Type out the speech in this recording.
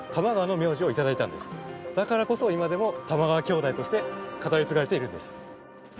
だからこそ今でも玉川兄弟として語り継がれているんです。